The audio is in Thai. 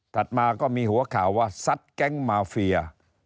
มาก็มีหัวข่าวว่าซัดแก๊งมาเฟีย